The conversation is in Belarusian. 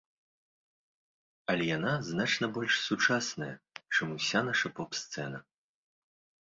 Але яна значна больш сучасная, чым уся наша поп-сцэна.